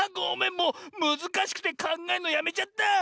もうむずかしくてかんがえんのやめちゃった！